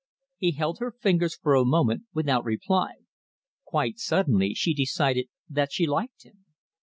He held her fingers for a moment without reply. Quite suddenly she decided that she liked him.